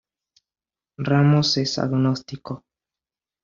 Ramos es agnóstico.